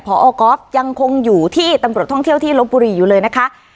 พอก๊อฟยังคงอยู่ที่ตำรวจท่องเที่ยวที่ลบบุรีอยู่เลยนะคะ